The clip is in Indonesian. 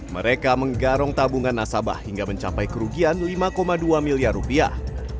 mereka menggarong tabungan nasabah hingga mencapai kerugian lima dua miliar rupiah